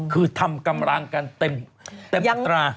คือทำกำลังกันเต็มอัตรา